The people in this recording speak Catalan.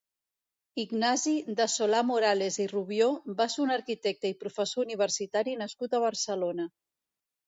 Ignasi de Solà-Morales i Rubió va ser un arquitecte i professor universitari nascut a Barcelona.